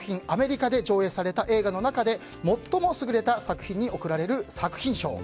アメリカで上映された映画の中で最も優れた作品に贈られる作品賞。